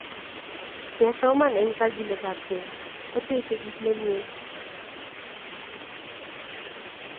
Kesoman eng kakiletapkei kotechei kit nemie